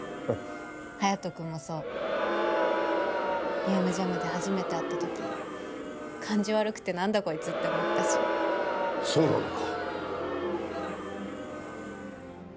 隼人君もそうゲームジャムで初めて会った時感じ悪くて何だこいつって思ったしそうなのか？